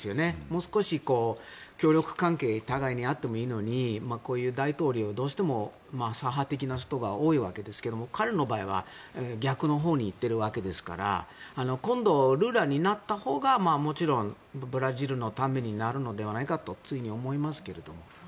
もう少し、協力関係互いにあってもいいのにこういう大統領、どうしても左派的な人が多いわけですけれど彼の場合は逆のほうに行っているわけですから今度、ルラになったほうがもちろんブラジルのためになるのではないかとついに思いますけど。